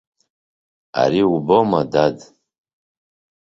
Ари убома, дад!